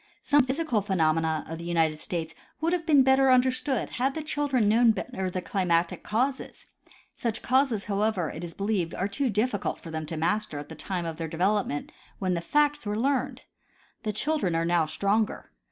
Some physical phenomena of the United States would have been better understood had the children known better the climatic causes ; such causes however, it is believed, are too. dif ficult for them to master at the time of their development, when the facts Avere learned. The children are now stronger.